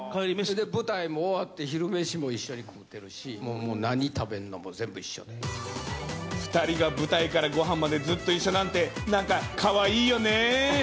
舞台も終わって、昼飯も一緒に食ってるし、もうもう、２人が舞台からごはんまでずっと一緒なんて、なんかかわいいよね。